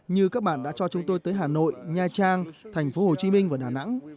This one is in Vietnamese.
như các bạn đã cho chúng tôi tới hà nội nha trang thành phố hồ chí minh và đà nẵng